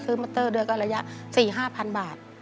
คือมิเตอร์เดือนก็ระยะ๔๐๐๐๕๐๐๐บาท